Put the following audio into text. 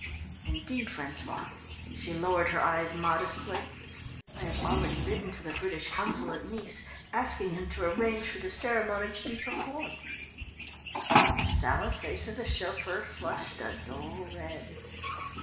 Indeed, François," she lowered her eyes modestly, "I have already written to the British Consul at Nice, asking him to arrange for the ceremony to be performed." The sallow face of the chauffeur flushed a dull red.